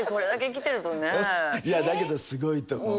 いやだけどすごいと思う。